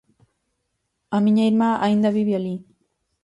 A miña irmá aínda vive alí.